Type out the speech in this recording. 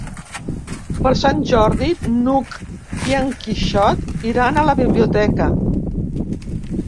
Per Sant Jordi n'Hug i en Quixot iran a la biblioteca.